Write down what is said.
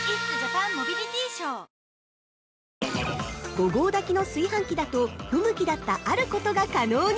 ◆５合炊きの炊飯器だと不向きだったあることが可能に。